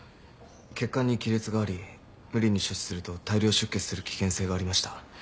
血管に亀裂があり無理に処置すると大量出血する危険性がありました。